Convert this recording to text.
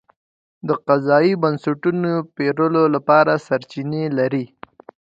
د قضایي بنسټونو پېرلو لپاره سرچینې لري.